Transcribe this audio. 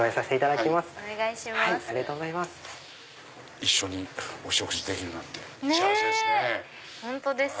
一緒にお食事できるなんて幸せですね。